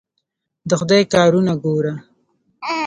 د خدای کارونه ګوره!